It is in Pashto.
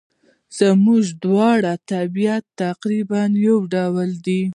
زموږ دواړو طبیعت تقریباً یو ډول وو.